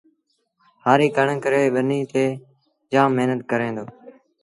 هآريٚ ڪڻڪ ريٚ ٻنيٚ تي جآم مهنت ڪري دو